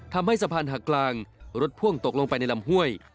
ทำให้สะพานหักกลางรถพ่วงตกลงไปในลำห้วย